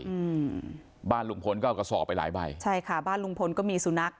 อืมบ้านลุงพลก็เอากระสอบไปหลายใบใช่ค่ะบ้านลุงพลก็มีสุนัข